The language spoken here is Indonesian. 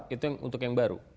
itu untuk yang baru